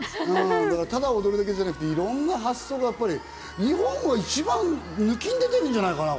ただ踊るだけじゃなく、いろんな発想が日本が一番抜きん出てるんじゃないかな。